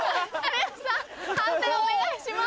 判定お願いします。